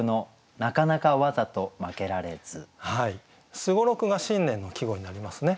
「双六」が新年の季語になりますね。